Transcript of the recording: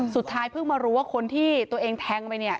สุดท้ายเพิ่งมารู้ว่าคนที่ตัวเองแทงไปเนี่ย